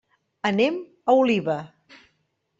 Anem a Oliva.